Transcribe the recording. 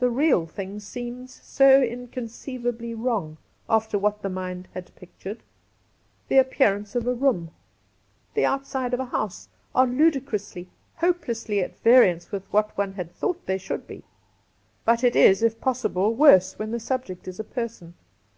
The real thing seems so inconceiv ably wrong after what the mind had pictured. The appearance of a room, the outside of a house, are ludicrously, hopelessly at variance with what one had thought they should be. But it is, if possible, worse when the subject is a person.